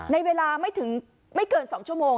ในเวลาไม่เกิน๒ชั่วโมง